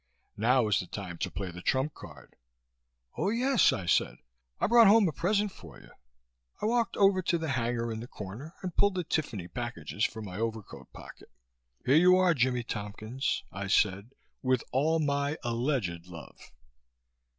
Now was the time to play the trump card. "Oh yes," I said. "I brought home a present for you." I walked over to the hanger in the corner and pulled the Tiffany packages from my overcoat pocket. "Here you are, Jimmie Tompkins," I said, "with all my alleged love."